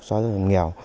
xóa ra dòng nghèo